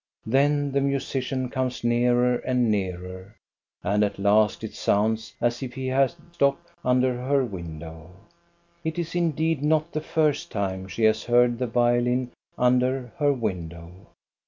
Then the musician comes nearer and nearer, and at last it sounds as if he had stopped under her window. It is indeed not the first time she has heard the violin under her window.